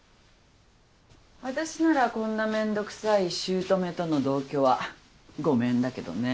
あたしならこんなめんどくさい姑との同居はごめんだけどね。